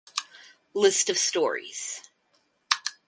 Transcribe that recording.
List of Stories